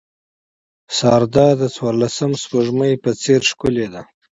سارده د څوارلسم سپوږمۍ په څېر ښکلې ده.